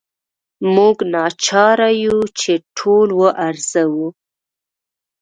موږ ناچاره یو چې ټول وارزوو.